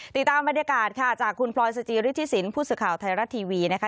ติดตามบรรยากาศค่ะจากคุณพลอยสจิริธิสินผู้สื่อข่าวไทยรัฐทีวีนะคะ